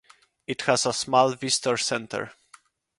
It has a small visitor center.